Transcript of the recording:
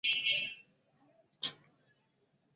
প্রণালীর পশ্চিম অংশ সম্পূর্ণ চিলির সীমানার অভ্যন্তরে অবস্থিত।